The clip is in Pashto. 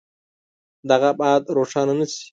دغه ابعاد روښانه نه شي.